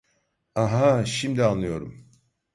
Ahha, şimdi anlıyorum.